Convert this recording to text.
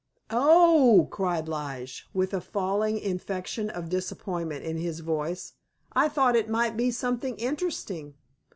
"Oh h," cried Lige, with a falling inflection of disappointment in his voice, "I thought it might be something interesting."